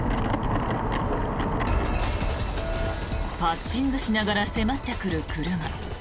パッシングしながら迫ってくる車。